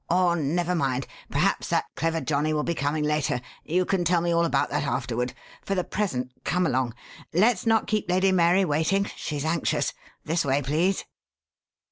Or, never mind perhaps that clever johnnie will be coming later; you can tell me all about that afterward. For the present, come along. Let's not keep Lady Mary waiting she's anxious. This way, please."